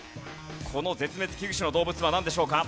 この絶滅危惧種の動物はなんでしょうか？